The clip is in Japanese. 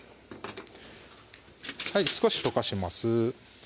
少し溶かします